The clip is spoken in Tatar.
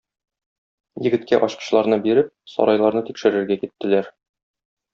Егеткә ачкычларны биреп, сарайларны тикшерергә киттеләр.